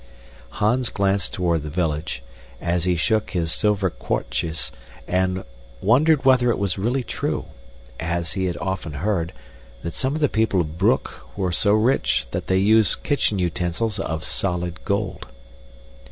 Hans glanced toward the village, as he shook his silver kwartjes and wondered whether it were really true, as he had often heard, that some of the people of Broek were so rich that they used kitchen utensils of solid gold.